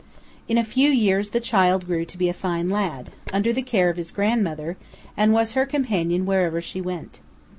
In a few years the child grew to be a fine lad, under the care of his grandmother, and was her companion wherever she went.